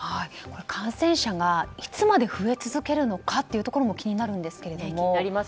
感染者がいつまで増え続けるのかも気になるんですけども。